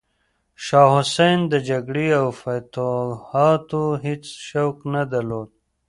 شاه حسین د جګړې او فتوحاتو هیڅ شوق نه درلود.